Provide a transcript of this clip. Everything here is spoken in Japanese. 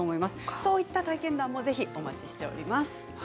そういった体験談もぜひ、お待ちしております。